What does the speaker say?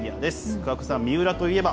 桑子さん、三浦といえば。